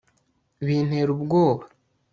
Bintera ubwoba